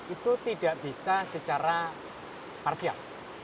itu tidak bisa secara parsial